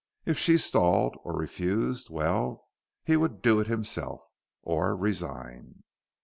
If she stalled or refused well, he would do it himself. Or resign.